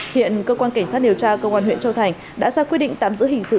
hiện cơ quan cảnh sát điều tra công an huyện châu thành đã ra quyết định tạm giữ hình sự